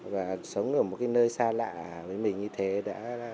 và sống ở một cái nơi xa lạ với mình như thế đã